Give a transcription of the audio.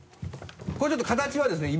これちょっと形はですね